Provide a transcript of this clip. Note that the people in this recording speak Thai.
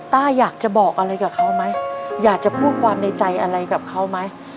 ต้าอยากจะบอกอะไรกับเขาไหมอยากจะพูดความในใจอะไรกับเขาไหม